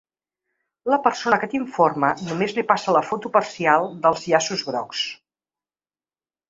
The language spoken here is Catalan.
La persona que l’informa només li passa la foto parcial dels llaços grocs.